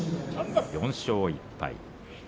４勝１敗。